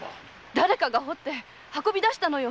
だれかが掘って運び出したのよ！